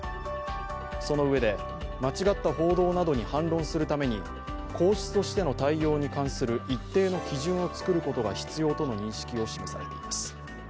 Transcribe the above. そのうえで、間違った報道などに反論するために皇室としての対応に関する一定の基準を作ることが必要との認識を示されています。